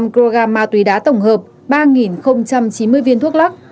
năm kg ma túy đá tổng hợp ba chín mươi viên thuốc lắc